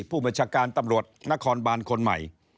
ผู้บัญชาการตำรวจนครบานคนใหม่